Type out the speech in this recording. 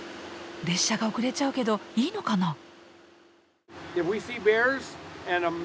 列車が遅れちゃうけどいいのかな？